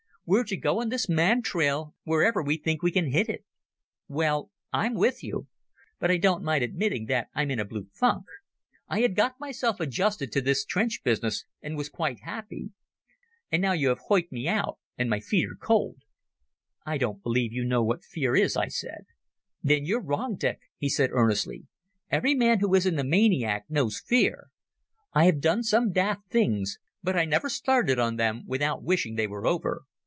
We're to go on this mad trail wherever we think we can hit it. Well, I'm with you. But I don't mind admitting that I'm in a blue funk. I had got myself adjusted to this trench business and was quite happy. And now you have hoicked me out, and my feet are cold." "I don't believe you know what fear is," I said. "There you're wrong, Dick," he said earnestly. "Every man who isn't a maniac knows fear. I have done some daft things, but I never started on them without wishing they were over.